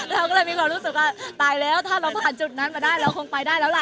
เราก็เลยมีความรู้สึกว่าตายแล้วถ้าเราผ่านจุดนั้นมาได้เราคงไปได้แล้วล่ะ